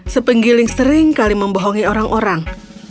se penggiling sering kali membohongi orang orang